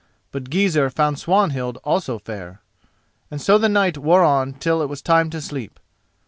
But Gizur found Swanhild also fair. And so the night wore on till it was time to sleep.